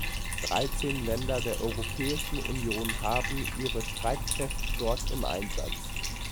Dreizehn Länder der Europäischen Union haben ihre Streitkräfte dort im Einsatz.